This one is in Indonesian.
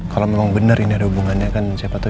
kalau memang benar ini ada hubungannya kan siapa tahu